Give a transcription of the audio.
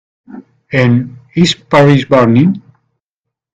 En "Is Paris Burning?